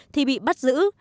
thì bị bắt giữ